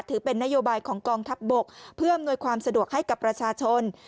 ถือเป็นนโยบายของกองทัพบกเพื่ออำนวยความสะดวกให้กับประชาชน